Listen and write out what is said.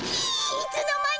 いつの間に！